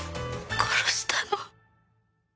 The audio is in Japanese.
「殺したの？」